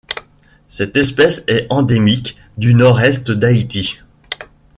Cette espèce est endémique du Nord-Est d'Haïti.